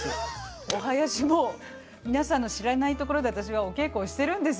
お囃子も皆さんの知らないところで私はお稽古をしてるんですよ。